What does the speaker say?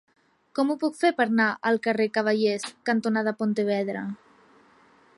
Com ho puc fer per anar al carrer Cavallers cantonada Pontevedra?